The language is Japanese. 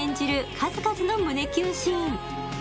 数々の胸キュンシーン。